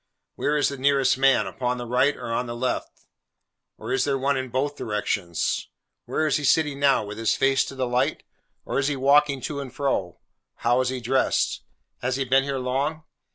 Where is the nearest man—upon the right, or on the left? or is there one in both directions? Where is he sitting now—with his face to the light? or is he walking to and fro? How is he dressed? Has he been here long?